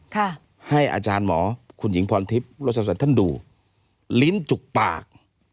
ให้อาจารย์หมอคุณหญิงพรทิพย์โรสัตว์ท่านดูลิ้นจุกปาก